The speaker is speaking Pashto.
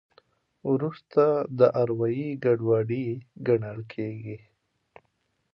وروسته دا اروایي ګډوډي ګڼل کېږي.